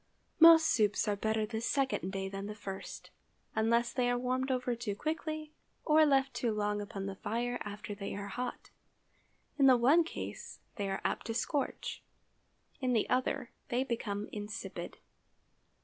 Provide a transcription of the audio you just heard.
Most soups are better the second day than the first, unless they are warmed over too quickly or left too long upon the fire after they are hot. In the one case they are apt to scorch; in the other they become insipid.